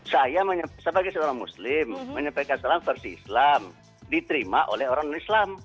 saya sebagai seorang muslim menyampaikan salam versi islam diterima oleh orang islam